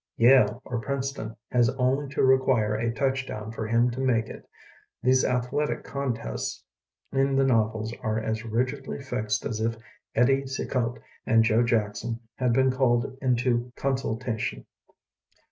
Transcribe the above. Yale or Princeton has only to require a touchdown for him to make it. These athletic contests in the novels are as rigidly fixed as if Eddie Cicotte and Joe Jackson had been called into consultation.